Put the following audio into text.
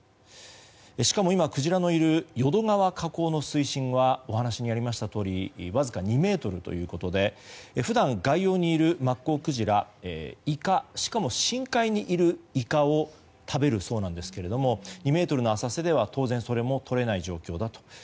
しかも今、クジラのいる淀川河口付近はお話にありましたとおりわずか２ｍということで普段、外洋にいるマッコウクジラはイカ、しかも深海にいるイカを食べるそうなんですが２ｍの浅瀬では当然それも、とれない状況だと。